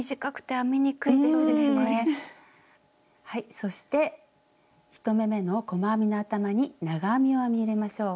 そして１目めの細編みの頭に長編みを編み入れましょう。